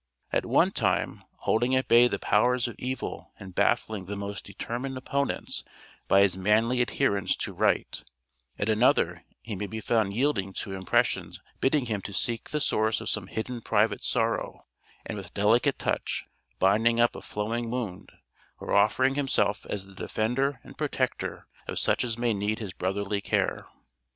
At one time, holding at bay the powers of evil and baffling the most determined opponents by his manly adherence to right; at another he may be found yielding to impressions bidding him to seek the source of some hidden private sorrow, and with delicate touch, binding up a flowing wound, or offering himself as the defender and protector of such as may need his brotherly care.